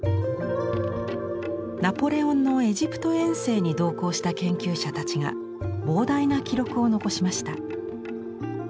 ナポレオンのエジプト遠征に同行した研究者たちが膨大な記録を残しました。